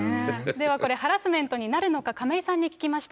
では、これ、ハラスメントになるのか、亀井さんに聞きました。